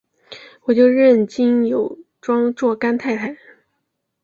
我就认金友庄做干太太！